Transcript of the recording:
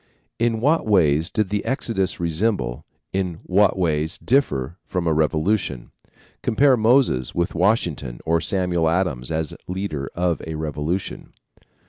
In what ways did the Exodus resemble, in what ways differ from a revolution? Compare Moses with Washington or Samuel Adams as leader of a revolution.